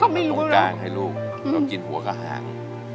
เอาตรงกลางให้ลูกกินหัวกะหาง